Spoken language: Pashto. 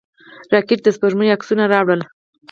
راکټ د سپوږمۍ عکسونه راوړل